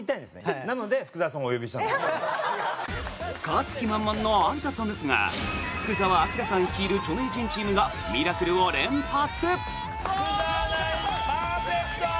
勝つ気満々の有田さんですが福澤朗さん率いる著名人チームがミラクルを連発。